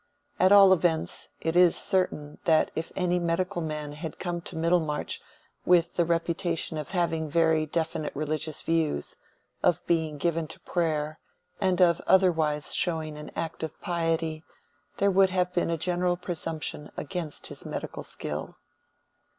At all events, it is certain that if any medical man had come to Middlemarch with the reputation of having very definite religious views, of being given to prayer, and of otherwise showing an active piety, there would have been a general presumption against his medical skill.